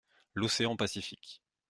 L’Océan Pacifique.